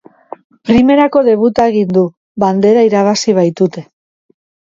Primerako debuta egin du, bandera irabazi baitute.